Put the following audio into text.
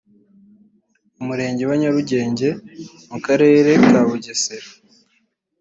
Umurenge wa Nyarugenge mu Karere ka Bugesera